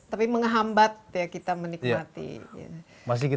tapi menghambat kita menikmati